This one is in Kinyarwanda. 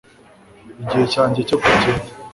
igihe cyanjye cyo kugenda